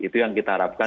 itu yang kita harapkan